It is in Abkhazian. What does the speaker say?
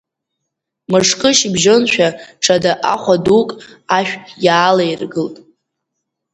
Мышкы шьыбжьоншәа ҽада ахәа-дук ашә иаалаиргылт.